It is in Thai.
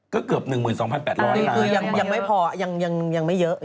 ก็เกือบ๑๒๘๐๐ล้านคือยังไม่พอยังไม่เยอะ